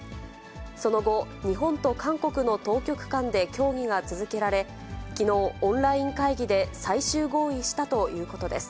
その後、日本と韓国の当局間で協議が続けられ、きのう、オンライン会議で最終合意したということです。